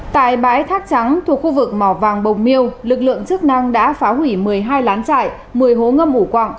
tại bãi thác trắng thuộc khu vực mỏ vàng bồng miêu lực lượng chức năng đã phá hủy một mươi hai lán trại một mươi hố ngâm ủ quặng